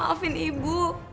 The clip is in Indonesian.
pak maafin ibu